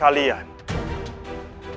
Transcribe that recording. aku perintahkan kepada kalian